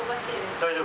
大丈夫？